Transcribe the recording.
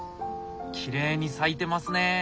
きれいに咲いてますね。